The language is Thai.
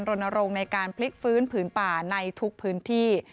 รณรงค์ในการพลิกฟื้นผืนป่าในทุกพื้นที่